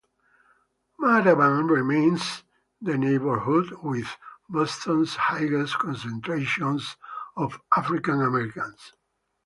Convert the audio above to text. Mattapan remains the neighborhood with Boston's highest concentrations of African Americans.